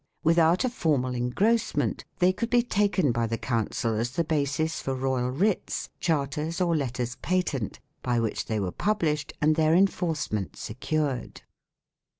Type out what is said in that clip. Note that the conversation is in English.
Without a formal engrossment they could be taken by the Council as the basis for royal writs, charters, or letters patent, by which they were published and their enforcement secured.